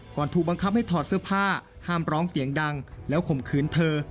ถูกบังคับให้ถอดเสื้อผ้าห้ามร้องเสียงดังแล้วข่มขืนเธอ